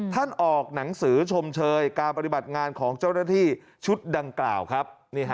ออกหนังสือชมเชยการปฏิบัติงานของเจ้าหน้าที่ชุดดังกล่าวครับ